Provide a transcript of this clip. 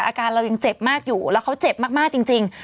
อาการเรายังเจ็บมากอยู่แล้วเขาเจ็บมากจริง